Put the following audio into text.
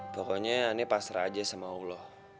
pokoknya ini pasrah aja sama allah